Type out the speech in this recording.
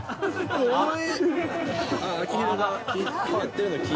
怖い。